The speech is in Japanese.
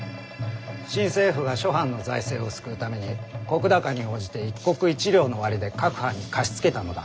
新政府が諸藩の財政を救うために石高に応じて１石１両の割で各藩に貸し付けたのだ。